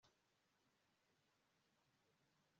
n iy inteko rusange idasanzwe